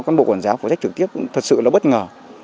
cán bộ quản giáo của sách trực tiếp thật sự là bất ngờ